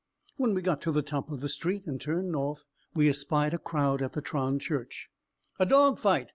When we got to the top of the street, and turned north, we espied a crowd at the Tron Church. "A dog fight!"